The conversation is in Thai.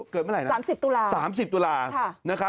เกิดเมื่อไหร่นะ๓๐ตุลาห์